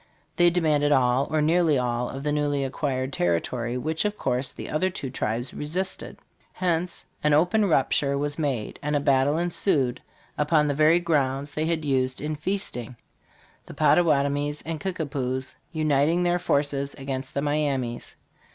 They demanded all or nearly all of the newly acquired territory, which, of course, the other two tribes resisted; hence an open rupture was made, and a battle ensued upon the very grounds they had used in feasting, the Pottawatomies and Kickapoos uniting their forces against the Miamis.